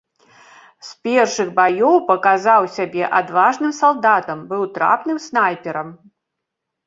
З першых баёў паказаў сябе адважным салдатам, быў трапным снайперам.